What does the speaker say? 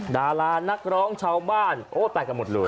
ดารานักร้องชาวบ้านโอ้แตกกันหมดเลย